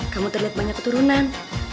kamu terlihat banyak keturunan